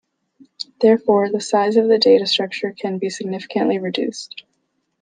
Therefore, the size of the data structure can be significantly reduced.